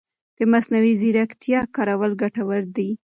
د مصنوعي ځېرکتیا کارول ګټور دي.